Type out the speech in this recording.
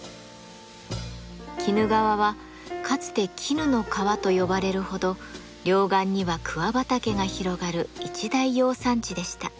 鬼怒川はかつて絹の川と呼ばれるほど両岸には桑畑が広がる一大養蚕地でした。